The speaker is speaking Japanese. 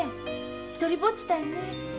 独りぼっちたいねえ。